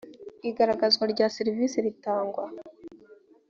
igaragazwa rya serivisi zitangwa